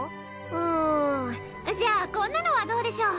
うんじゃあこんなのはどうでしょう？